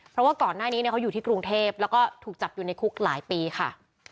เพราะว่าก่อนหน้านี้เขาอยู่ที่กรุงเทพแล้วก็ถูกจับอยู่ในคุกหลายปีค่ะ